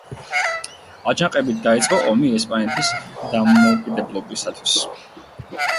აჯანყებით დაიწყო ომი ესპანეთის დამოუკიდებლობისათვის.